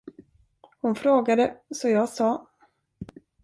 Hon frågade, så jag sa.